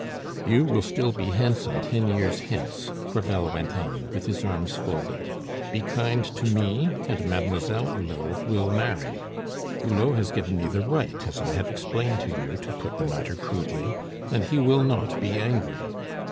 "You will still be handsome ten years hence," Crevel went on, with his arms folded; "be kind to me, and Mademoiselle Hulot will marry. Hulot has given me the right, as I have explained to you, to put the matter crudely, and he will not be angry.